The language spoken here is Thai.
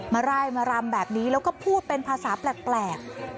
ไล่มารำแบบนี้แล้วก็พูดเป็นภาษาแปลก